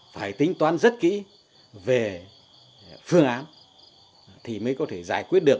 phải tính toán rất kỹ về phương án thì mới có thể giải quyết được